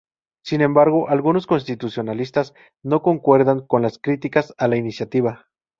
Sin embargo, algunos constitucionalistas no concuerdan con las críticas a la iniciativa.